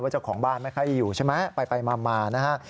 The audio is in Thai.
เจ้าของบ้านไม่ค่อยอยู่ใช่ไหมไปมานะฮะ